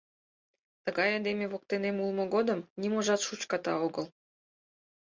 Тыгай айдеме воктенет улмо годым, ниможат шучката огыл.